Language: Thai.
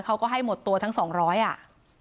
เขาก็ให้หมดตัวทั้งสองร้อยอ่ะ